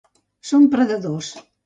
Són predadors.